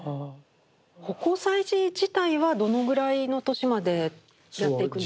葆光彩磁自体はどのぐらいの年までやっていくんですか？